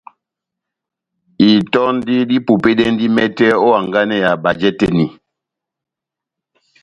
Itɔndi dipupedɛndi mɛtɛ ó hanganɛ ya bajɛ tɛ́h eni.